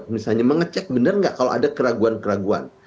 misalnya mengecek benar nggak kalau ada keraguan keraguan